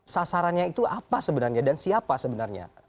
sasarannya itu apa sebenarnya dan siapa sebenarnya